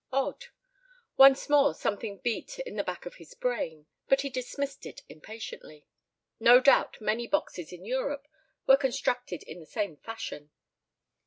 Odd. Once more something beat in the back of his brain. But he dismissed it impatiently. No doubt many boxes in Europe were constructed in the same fashion.